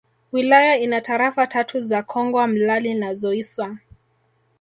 Wilaya ina Tarafa tatu za Kongwa Mlali na Zoissa